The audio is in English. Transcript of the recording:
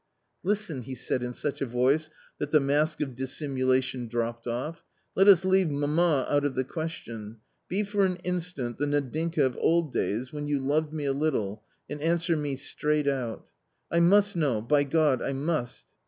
11 Listen," he said in such a voice, that the mask of dissimulation dropped off, " let us leave mamma out of the question : be for an instant the Nadinka of old days when you loved me a little, and answer me straight out ; I must know, by God, I must."